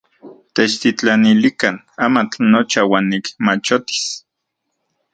Techtitlanilikan amatl nocha uan nikmachotis.